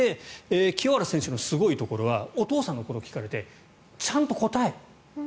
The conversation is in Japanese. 清原選手のすごいところはお父さんのことを聞かれてちゃんと答える。